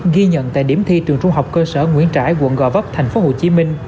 ghi nhận tại điểm thi trường trung học cơ sở nguyễn trãi quận gò vấp tp hcm